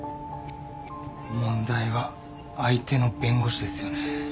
問題は相手の弁護士ですよね。